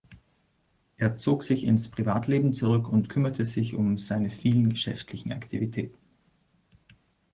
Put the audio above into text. Er zog sich ins Privatleben zurück und kümmerte sich um seine vielen geschäftlichen Aktivitäten.